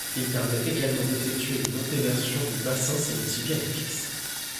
Il permet également d'effectuer une antéversion du bassin si le tibia est fixe.